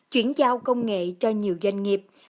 chuyển giao công nghệ cho nhiều doanh nghiệp